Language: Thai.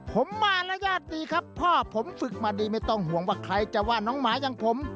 ผมมาแล้วญาติดีครับพ่อผมฝึกมาดีไม่ต้องห่วงว่าใครจะว่าน้องหมาอย่างผม